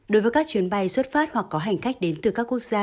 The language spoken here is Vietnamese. đối với các chuyến bay xuất phát hoặc có hành khách đến từ các quốc gia